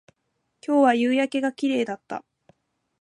今日は夕焼けが綺麗だった